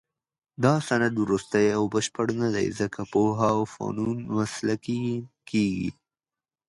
دا سیند وروستۍ او بشپړه نه دی، ځکه پوهه او فنون مسلکي کېږي.